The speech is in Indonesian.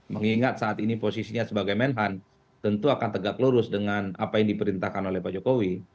mengingat saat ini posisinya sebagai menhan tentu akan tegak lurus dengan apa yang diperintahkan oleh pak jokowi